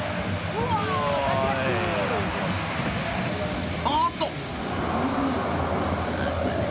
「うわあ」あーっと！